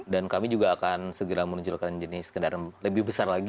dan kami juga akan segera menunjukkan jenis kendaraan lebih besar lagi